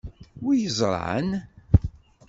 Wi yeẓran?